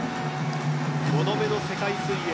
５度目の世界水泳。